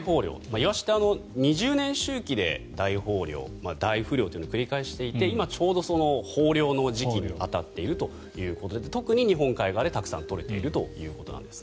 イワシって２０年周期で大豊漁、大不漁というのを繰り返していて今、ちょうど、その豊漁の時期に当たっているということで特に日本海側でたくさん取れているということです。